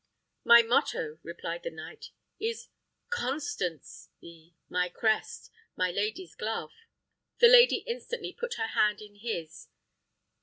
"My motto," replied the knight, "is Constanc y; my crest, a lady's glove." The lady instantly put her hand into his.